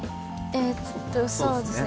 えっとそうですね。